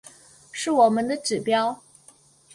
是我们的指标